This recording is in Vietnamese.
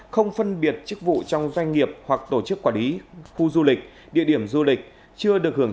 không phân biệt chức vụ trong doanh nghiệp hoặc tổ chức quản lý khu du lịch địa điểm du lịch